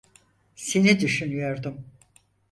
Seni düşünüyordum.